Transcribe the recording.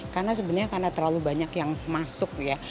karena sebenarnya karena terlalu banyak yang masuk ya